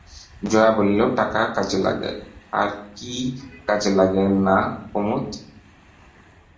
জয়া বলিল, টাকা কাজে লাগে, হার কি কাজে লাগে না কুমুদ?